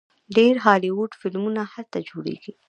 ډیر هالیوډ فلمونه هلته جوړیږي.